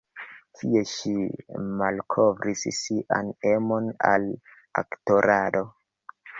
Tie ŝi malkovris sian emon al aktorado.